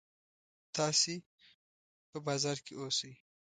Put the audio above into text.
تاسې په بازار کې اوسئ.